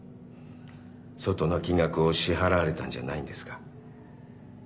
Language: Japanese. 相当な金額を支払われたんじゃないんですか？